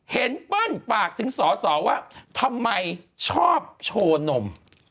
เปิ้ลฝากถึงสอสอว่าทำไมชอบโชว์นม